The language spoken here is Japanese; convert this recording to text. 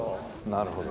なるほど。